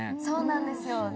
そうなんですよ